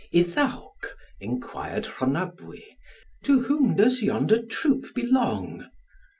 "Iddawc," enquired Rhonabwy, "to whom does yonder troop belong?"